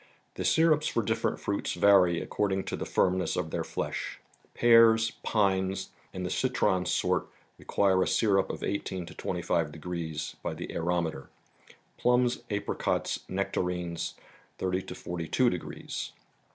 The syrups for different fruits vary according to the firmness of their flesh—pears, pines and the citron sort require a syrup of eighteen to twenty five degrees by the aerometer ; plums, apricots, nectarines, thirty to forty two degrees.